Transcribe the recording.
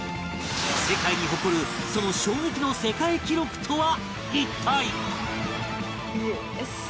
世界に誇るその衝撃の世界記録とは一体？